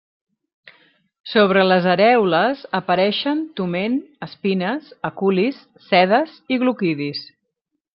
Sobre les arèoles apareixen toment, espines, aculis, sedes i gloquidis.